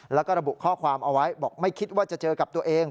แล้วก็ระบุข้อความเอาไว้บอกไม่คิดว่าจะเจอกับตัวเอง